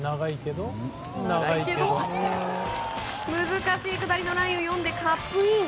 難しい下りのラインを読んでカップイン。